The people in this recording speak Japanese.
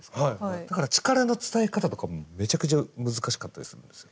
だから力の伝え方とかもめちゃくちゃ難しかったりするんですよ。